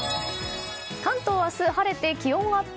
関東明日、晴れて気温アップ。